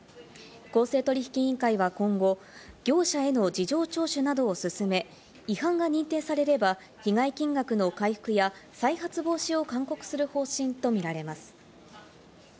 公正取引委員会は今後、業者への事情聴取などを進め、違反が認定されれば、被害金額の回復や再発防止を勧告する方針とみられます。